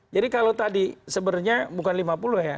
jadi kalau tadi sebenarnya bukan lima puluh ya